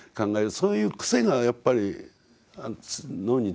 そういう癖がやっぱり脳についてる。